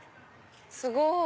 すごい！